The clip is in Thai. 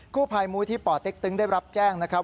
ผู้ภัยมูลที่ป่อเต็กตึงได้รับแจ้งนะครับ